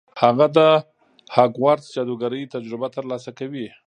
هغه د هاګوارتس جادوګرۍ تجربه ترلاسه کوي.